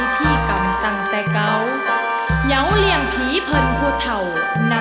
ที่กำบินไทย